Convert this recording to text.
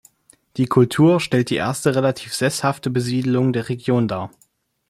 Die Kultur stellt die erste relativ sesshafte Besiedelung der Region dar.